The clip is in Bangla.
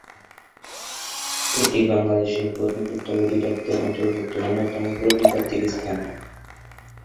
এটি বাংলাদেশ প্রত্নতত্ত্ব অধিদপ্তরের অন্তর্ভুক্ত অন্যতম প্রত্নতাত্ত্বিক স্থান।